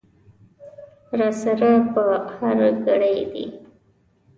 را سره په هر ګړي دي